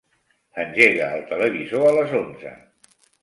Engega el televisor a les onze.